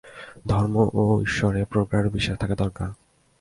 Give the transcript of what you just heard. ধর্ম ও ঈশ্বরে প্রগাঢ় বিশ্বাস থাকা দরকার।